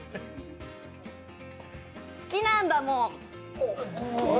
好きなんだもん。